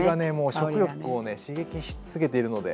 食欲をね刺激し続けているので。